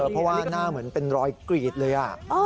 เพราะว่าหน้าเหมือนเป็นรอยกรีดเลย